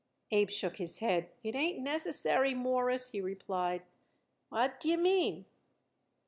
Abe shook his head. "It ain't necessary, Mawruss," he replied. "What d'ye mean?"